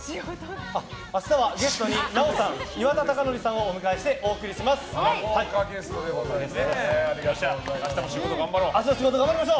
明日はゲストに奈緒さん岩田剛典さんを豪華ゲストでございます。